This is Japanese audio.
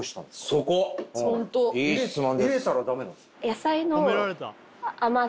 入れたらダメなんですか？